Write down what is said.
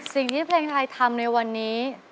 สิ่งที่เพลงไทยทำในวันนี้